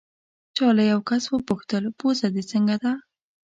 چا له یو کس وپوښتل: پوزه دې څنګه ده؟